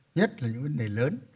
nhất là những vấn đề lớn